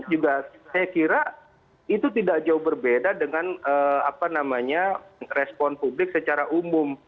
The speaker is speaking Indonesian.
juga saya kira itu tidak jauh berbeda dengan respon publik secara umum